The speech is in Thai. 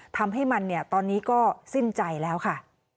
ทำให้มันเนี่ยตอนนี้ก็สิ้นใจแล้วค่ะ